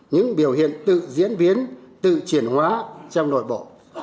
những biểu hiện tự diễn biến tự chuyển hóa trong nội bộ